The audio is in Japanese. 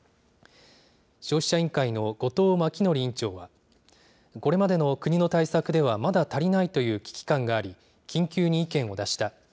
消費者委員会の後藤巻則委員長は、これまでの国の対策では、まだ足りないという危機感があり、緊急に意見を出した。